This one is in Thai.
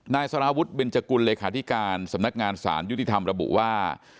สารวุฒิเบนจกุลเลขาธิการสำนักงานสารยุติธรรมระบุว่า